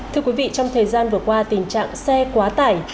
thưa quý vị trong thời gian vừa qua tình trạng xe quá tải